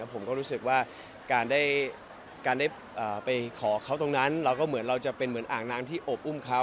ผมก็รู้สึกว่าการได้ไปขอเขาตรงนั้นเราก็เหมือนเราจะเป็นเหมือนอ่างน้ำที่อบอุ้มเขา